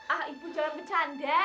ah ibu jangan bercanda